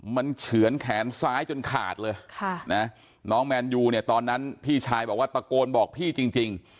มันเฉือนแขนซ้ายจนขาดเลยน้องแมนยูเนี่ยตอนนั้นพี่ชายบอกว่าตะโกนบอกพี่จริง